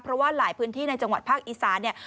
เพราะว่าหลายพื้นที่ในจังหวัดภาคอีสานเนี่ย